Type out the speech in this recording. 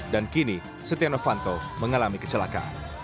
dan kini setia novanto mengalami kecelakaan